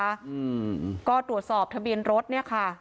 อืมก็ตรวจสอบทะเบียนรถเนี้ยค่ะ